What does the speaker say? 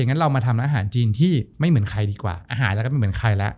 งั้นเรามาทำอาหารจีนที่ไม่เหมือนใครดีกว่าอาหารแล้วก็ไม่เหมือนใครแล้ว